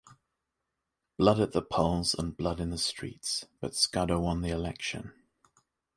Blood at the polls and blood in the streets, but Scudder won the election.